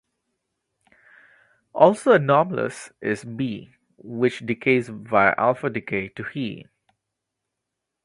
Also anomalous is Be, which decays via alpha decay to He.